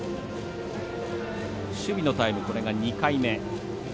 守備のタイム、これが２回目。